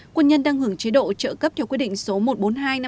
quân nhân đang hưởng chế độ trợ cấp cho quân nhân